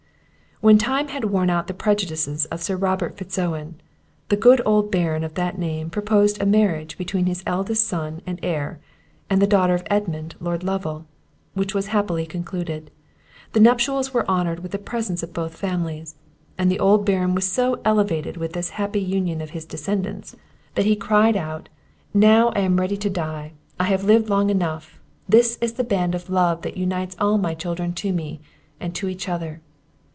When time had worn out the prejudices of Sir Robert Fitz Owen, the good old Baron of that name proposed a marriage between his eldest son and heir, and the daughter of Edmund Lord Lovel, which was happily concluded. The nuptials were honoured with the presence of both families; and the old Baron was so elevated with this happy union of his descendants, that he cried out, "Now I am ready to die I have lived long enough this is the band of love that unites all my children to me, and to each other!"